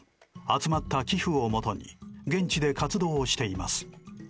集まった寄付をもとに現地で活動しています。